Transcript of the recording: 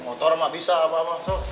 motor mah bisa abah mah